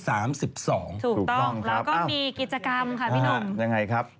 ถูกต้องเราก็มีกิจกรรมค่ะพี่นม